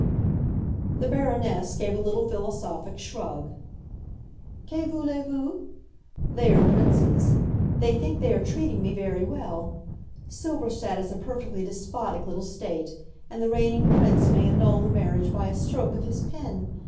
The Baroness gave a little philosophic shrug. "Que voulez vous? They are princes. They think they are treating me very well. Silberstadt is a perfectly despotic little state, and the Reigning Prince may annul the marriage by a stroke of his pen.